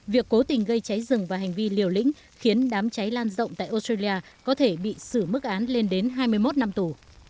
việc cố tình gây cháy rừng và hành vi liều lĩnh khiến đám cháy lan rộng tại australia có thể bị xử mức án lên đến hai mươi một năm tù